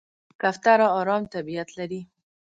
کوتره آرام طبیعت لري.